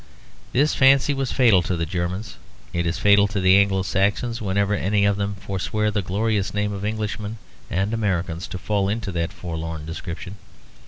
This fancy was fatal to the Germans; it is fatal to the Anglo Saxons, whenever any of them forswear the glorious name of Englishmen and Americans to fall into that forlorn description.